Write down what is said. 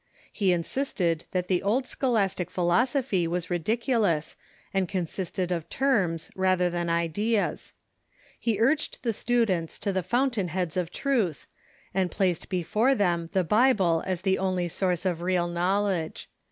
He insisted that the old scholastic philosophy was ridiculous and consisted of terms rather than ideas. He urged the students to the fountain heads of truth, and placed before them the Bible as the only source of real knowledge.